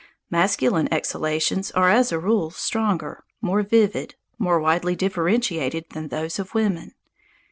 Masculine exhalations are as a rule stronger, more vivid, more widely differentiated than those of women.